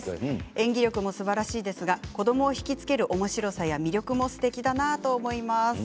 演技力もすばらしいですが子どもを引きつけるおもしろさや魅力もすてきだなと思います。